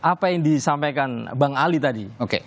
apa yang disampaikan bang ali tadi